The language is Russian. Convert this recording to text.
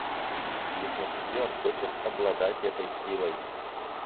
Гипнотизер хочет обладать этой силой.